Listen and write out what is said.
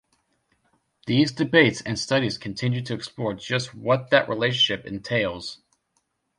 These debates and studies continue to explore just what that relationship entails.